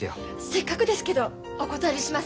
せっかくですけどお断りします。